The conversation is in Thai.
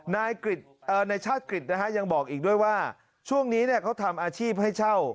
นายชาติกฤษนะฮะยังบอกอีกด้วยว่าช่วงนี้เขาทำอาชีพให้เช่า